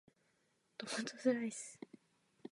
トマトスライス